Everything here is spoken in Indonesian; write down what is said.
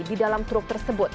di dalam truk tersebut